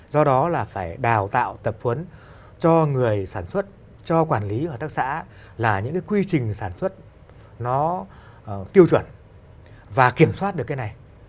do đó là phải đào tạo tập huấn cho người sản xuất cho quản lý hợp tác xã là những cái quy trình sản xuất nó tiêu chuẩn và kiểm soát được cái này